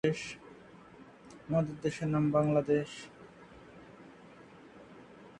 Licensed to Madisonville, Kentucky, United States, the station serves the Owensboro area.